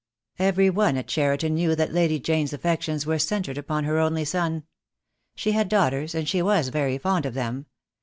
Every one at Cheriton knew that Lady Jane's affec tions were centred upon her only son. She had daughters, and she was very fond of them.